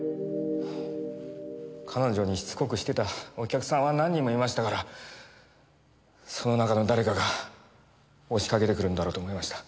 彼女にしつこくしてたお客さんは何人もいましたからその中の誰かが押しかけて来るんだろうと思いました。